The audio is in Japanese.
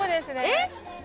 えっ？